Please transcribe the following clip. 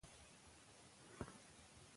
موږ خپل تاریخ په خپله ژبه لیکو.